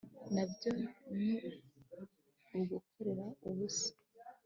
na byo ni ukugokera ubusa